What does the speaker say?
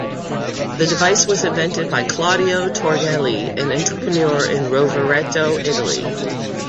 The device was invented by Claudio Torghele, an entrepreneur in Rovereto, Italy.